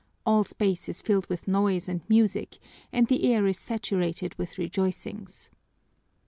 All space is filled with noise and music, and the air is saturated with rejoicings.